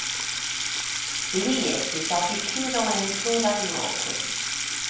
Li estis oficiro en pluraj lokoj.